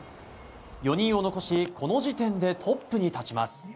４人を残しこの時点でトップに立ちます。